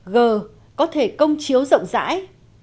g có thể công chiếu rộng rãi